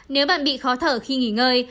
nếu bạn bị khó thở khi nghỉ ngơi